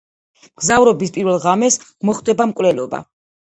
მგზავრობის პირველ ღამეს მოხდება მკვლელობა.